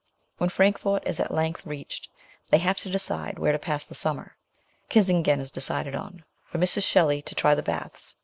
When Frankfort is at length reached, they have to decide where to pass the summer. Kissingen is decided on, for Mrs. Shelley to try the baths.